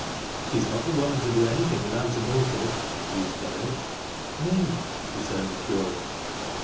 " She is not the woman to do anything withciut a irotive," mused Denick. "No," returned the curate.